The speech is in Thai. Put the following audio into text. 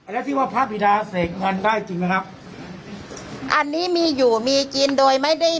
แล้วที่ว่าพระบิดาเสกเงินได้จริงไหมครับอันนี้มีอยู่มีกินโดยไม่ได้